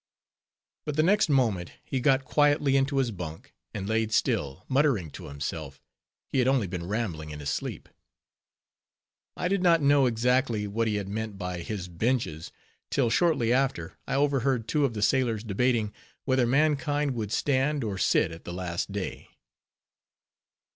But the next moment, he got quietly into his bunk, and laid still, muttering to himself, he had only been rambling in his sleep. I did not know exactly what he had meant by his benches; till, shortly after, I overheard two of the sailors debating, whether mankind would stand or sit at the Last Day.